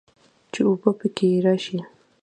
چې اوبۀ به پکښې راشي